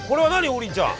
王林ちゃん。